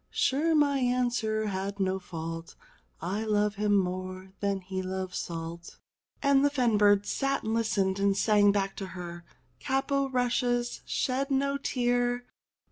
Sure ! my answer had no fault, I love him more than he loves salt." And the fen birds sate and listened and sang back to her : Cap o* rushes, shed no tear.